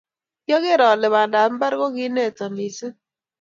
Kiager ale bandap mbar kokiineta missing